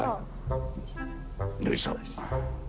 よいしょ。